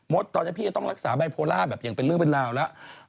ตอนนี้พี่จะต้องรักษาไบโพล่าแบบอย่างเป็นเรื่องเป็นราวแล้ว